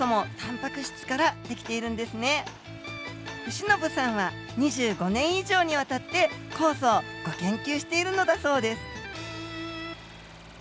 伏信さんは２５年以上にわたって酵素をギョ研究しているのだそうです。